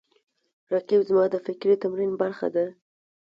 رقیب زما د فکري تمرین برخه ده